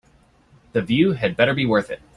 The view had better be worth it.